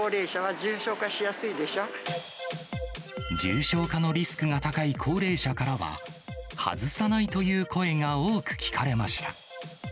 重症化のリスクが高い高齢者からは、外さないという声が多く聞かれました。